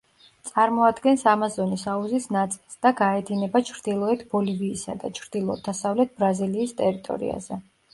წარმოადგენს ამაზონის აუზის ნაწილს და გაედინება ჩრდილოეთ ბოლივიისა და ჩრდილო-დასავლეთ ბრაზილიის ტერიტორიაზე.